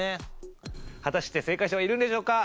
果たして正解者はいるんでしょうか？